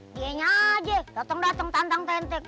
dianya aja dateng dateng tantang tenteng